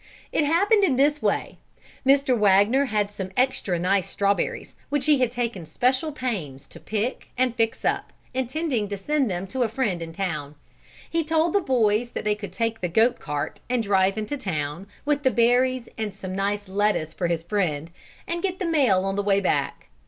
It happened in this way, Mr. Wagner had some extra nice strawberries, which he had taken special pains to pick and fix up, intending to send them to a friend in town. He told the boys that they could take the goat cart and drive into town, with the berries and some nice lettuce for his friend, and get the mail on the way back.